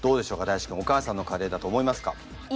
大馳くんお母さんのカレーだと思いますか？